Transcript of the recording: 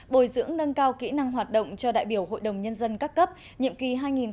bồi dưỡng nâng cao kỹ năng hoạt động cho đại biểu hội đồng nhân dân các cấp nhiệm kỳ hai nghìn một mươi sáu hai nghìn hai mươi sáu